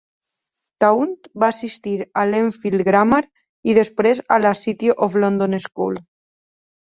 Taunt va assistir a l'Enfield Grammar, i després a la City of London School.